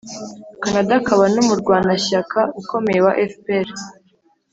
canada akaba n'umurwanashyaka ukomeye wa fpr